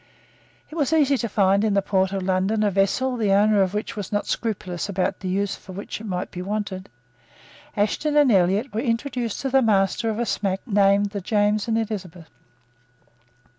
It was easy to find in the port of London a vessel the owner of which was not scrupulous about the use for which it might be wanted. Ashton and Elliot were introduced to the master of a smack named the James and Elizabeth.